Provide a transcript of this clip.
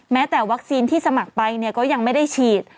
แม้แต่วัคซีนที่สมัครไปก็ยังไม่ได้ฉีด